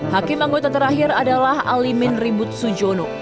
hakim anggota terakhir adalah alimin ribut sujono